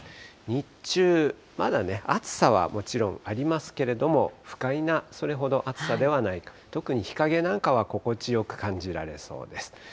日中、まだ暑さはもちろんありますけれども、不快なそれほど暑さではない、特に日陰なんかは心地よく感じられそうです。